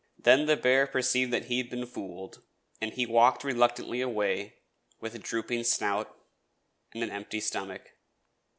Then the bear perceived that he had been fooled, and he walked reluctantly away with drooping snout and an empty stomach.